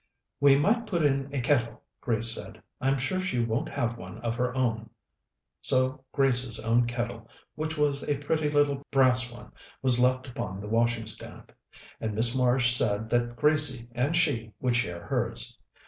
"We might put in a kettle," Grace said. "I'm sure she won't have one of her own." So Grace's own kettle, which was a pretty little brass one, was left upon the washing stand, and Miss Marsh said that Gracie and she would share hers.